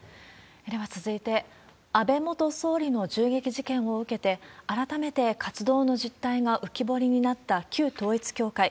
では続いて、安倍元総理の銃撃事件を受けて、改めて活動の実態が浮き彫りになった旧統一教会。